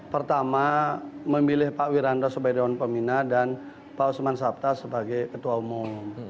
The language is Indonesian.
pertama memilih pak wiranto sebagai dewan pembina dan pak usman sabta sebagai ketua umum